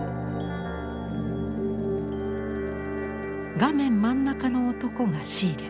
画面真ん中の男がシーレ。